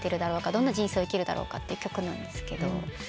どんな人生を生きるだろうかって曲なんですけど。